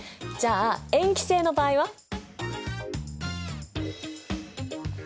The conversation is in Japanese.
じゃあ塩基性の場合は？